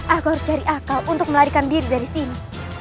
aku harus cari akal untuk melarikan diri dari sini